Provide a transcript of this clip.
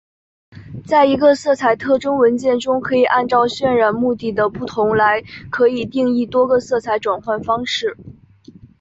在一个色彩特性文件中可以按照渲染目的的不同来可以定义多个色彩转换方式。